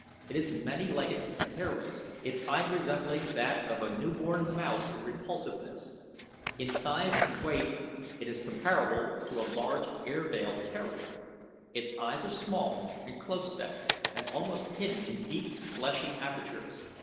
It is many legged and hairless, its hide resembling that of a newborn mouse in repulsiveness. In size and weight it is comparable to a large Airedale terrier. Its eyes are small and close set, and almost hidden in deep, fleshy apertures.